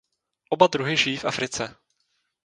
Oba druhy žijí v Africe.